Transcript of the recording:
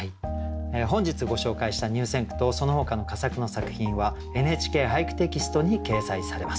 本日ご紹介した入選句とそのほかの佳作の作品は「ＮＨＫ俳句」テキストに掲載されます。